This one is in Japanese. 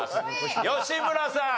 吉村さん。